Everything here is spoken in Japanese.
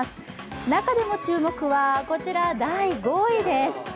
中でも注目はこちら第５位です